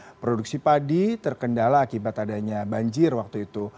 dan sentra produksi padi terkendala akibat adanya banjir waktu itu